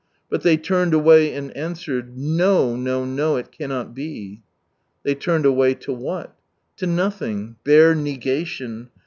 But they turned away and answered, "No, no, no I it cannot be." They turned away — to what ? To nothing — bare negation.